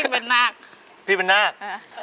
พี่ยิ้มเป็นนาค